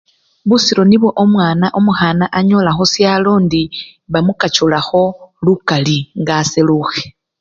Busiro nibwo omwana omukhana anyola khusyalo indi bamukachulakho lukali nga aselukhe.